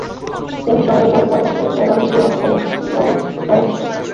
তেমনি সমগ্র জগৎ পরমেশ্বরের দেহ, এবং সেই অর্থে জগৎ স্বয়ং ঈশ্বর।